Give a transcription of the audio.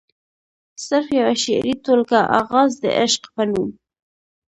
صرف يوه شعري ټولګه “اغاز َد عشق” پۀ نوم